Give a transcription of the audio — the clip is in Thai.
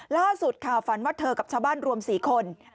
ล่าสุดค่ะฝันว่าเธอกับชาวบ้านรวม๔คน